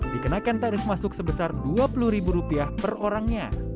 dikenakan tarif masuk sebesar rp dua puluh per orang